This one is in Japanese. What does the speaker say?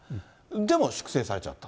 でも粛清されちゃった。